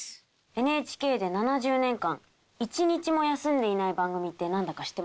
ＮＨＫで７０年間一日も休んでいない番組って何だか知ってますか？